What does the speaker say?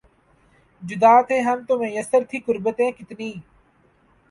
جدا تھے ہم تو میسر تھیں قربتیں کتنی